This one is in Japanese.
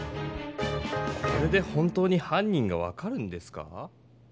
これで本当に犯人が分かるんですか？